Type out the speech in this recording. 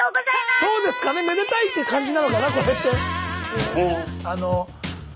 そうですかねめでたいっていう感じなのかなこれって。